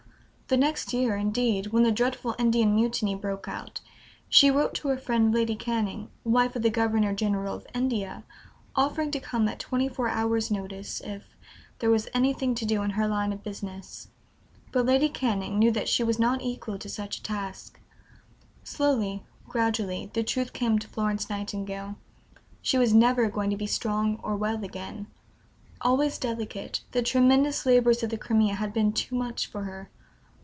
The next year, indeed, when the dreadful Indian Mutiny broke out, she wrote to her friend Lady Canning, wife of the Governor General of India, offering to come at twenty four hours' notice "if there was anything to do in her line of business"; but Lady Canning knew that she was not equal to such a task. Slowly, gradually, the truth came to Florence Nightingale: she was never going to be strong or well again. Always delicate, the tremendous labors of the Crimea had been too much for her.